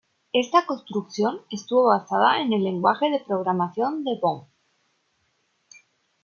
Esta construcción estuvo basada en el lenguaje de programación de Böhm.